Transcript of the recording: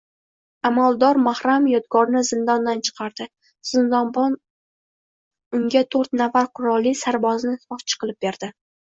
Amaldor mahram Yodgorni zindondan chiqardi, zindonbon unga toʻrt nafar qurolli sarbozni soqchi qilib berdi